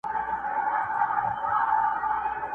د ښايسته ساقي په لاس به جام گلنار وو؛